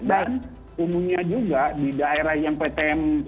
dan umumnya juga di daerah yang ptm